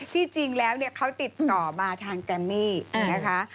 ที่จริงแล้วเขาติดต่อมาทางแกรมมี่นะคะ